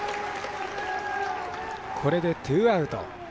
これでツーアウト。